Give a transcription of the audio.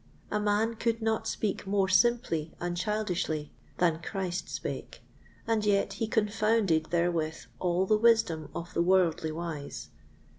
A man could not speak more simply and childishly than Christ spake, and yet he confounded therewith all the wisdom of the worldly wise.